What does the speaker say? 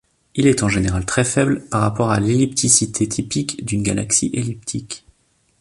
Il est en général très faible par rapport à l'ellipticité typique d'une galaxie elliptique.